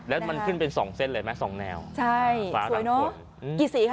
แล้วมันขึ้นเป็นสองเส้นเลยไหมสองแนวใช่สวยเนอะอืมกี่สีคะ